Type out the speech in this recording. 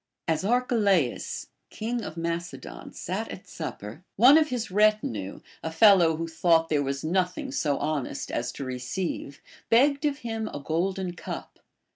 As Arche laus, king of Macedon, sat at supper, one of his retinue, a fellow who thought there was nothing so honest as to re ceive, begged of him a golden cup.